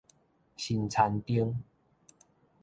神田町